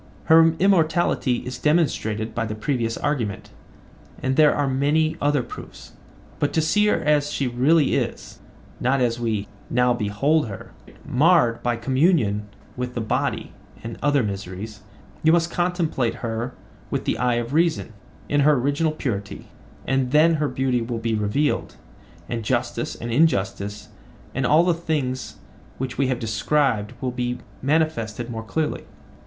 Her immortality is demonstrated by the previous argument, and there are many other proofs; but to see her as she really is, not as we now behold her, marred by communion with the body and other miseries, you must contemplate her with the eye of reason, in her original purity; and then her beauty will be revealed, and justice and injustice and all the things which we have described will be manifested more clearly.